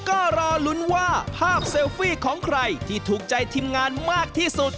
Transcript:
ก็รอลุ้นว่าภาพเซลฟี่ของใครที่ถูกใจทีมงานมากที่สุด